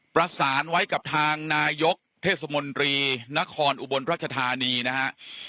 ประสานไว้กับทางนายกเทศมนตรีนครอุบลรัชธานีนะฮะ